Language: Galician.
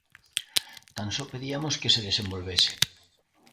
Tan só pediamos que se desenvolvese.